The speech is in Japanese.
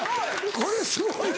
これすごいわ。